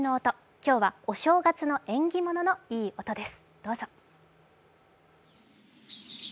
今日はお正月の縁起物のいい音です。